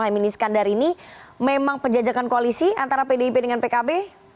mbak minis kandar ini memang penjajakan koalisi antara pdip dengan pkb